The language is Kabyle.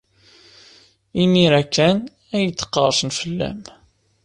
Imir-a kan ay d-qerrsen fell-am.